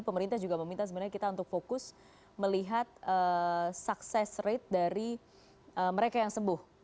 pemerintah juga meminta sebenarnya kita untuk fokus melihat sukses rate dari mereka yang sembuh